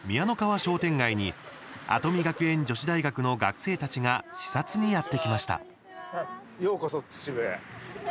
商店街に跡見学園女子大学の学生たちが視察にやって来ました。